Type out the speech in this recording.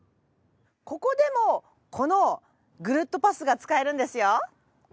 ここでもこのぐるっとパスが使えるんですよ。